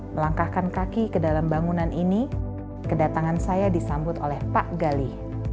melangkahkan kaki ke dalam bangunan ini kedatangan saya disambut oleh pak gali